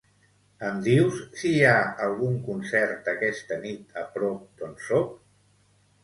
Em dius si hi ha algun concert aquesta nit a prop d'on soc?